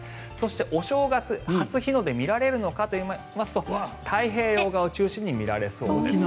お正月に初日の出がみられるかというと太平洋側を中心に見られそうです。